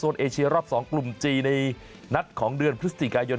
ส่วนเอเชียรอบ๒กลุ่มจีนในนัดของเดือนพฤศจิกายน